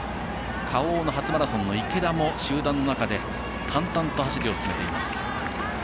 Ｋａｏの初マラソンの池田も集団の中でたんたんと走りを進めています。